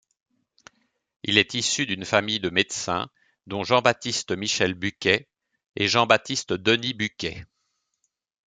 Il est issu d'une famille de médecins dont Jean-Baptiste-Michel Bucquet et Jean-Baptiste-Denis Bucquet.